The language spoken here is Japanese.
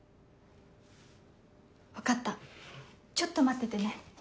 分かったちょっと待っててね。